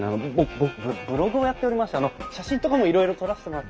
僕ブログをやっておりましてあの写真とかもいろいろ撮らせてもらい。